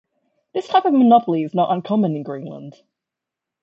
This type of monopoly is not uncommon in Greenland.